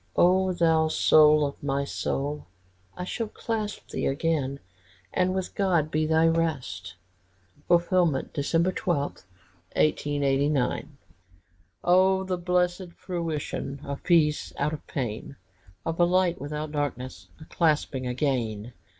O thou soul of my soul, I shall clasp thee again, And with God be the rest!" Prospice. Fulfilled December 12, 1889. Oh, the blessed fruition Of peace out of pain! Of a light without darkness, A clasping again!